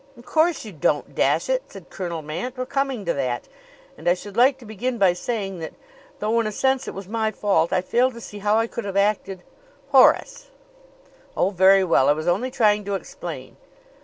"Of course you don't dash it!" said Colonel Mant. "We're coming to that. And I should like to begin by saying that, though in a sense it was my fault, I fail to see how I could have acted " "Horace!" "Oh, very well! I was only trying to explain."